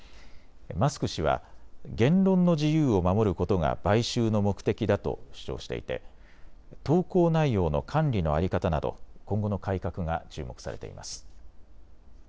マスク氏は言論の自由を守ることが買収の目的だと主張していて投稿内容の管理の在り方など今後の改革が注目されています。